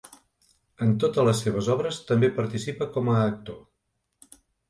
En totes les seves obres també participa com a actor.